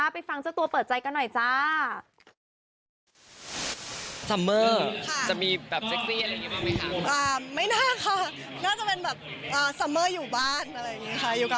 ไปฟังเจ้าตัวเปิดใจกันหน่อยจ้า